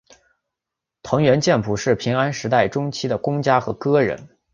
藤原兼辅是平安时代中期的公家和歌人。